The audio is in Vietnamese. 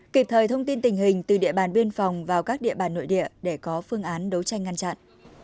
kịp thời thông tin tình hình từ địa bàn biên phòng vào các địa bàn nội địa để có phương án đấu tranh ngăn chặn